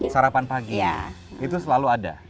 sarapan pagi itu selalu ada